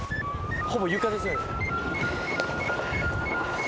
ほぼ床ですよ。